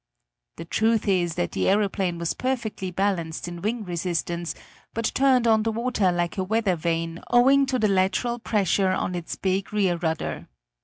The truth is that the aeroplane was perfectly balanced in wing resistance, but turned on the water like a weather vane owing to the lateral pressure on its big rear rudder.